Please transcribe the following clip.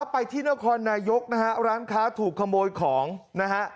ไปที่นครนายกนะฮะร้านค้าถูกขโมยของนะฮะ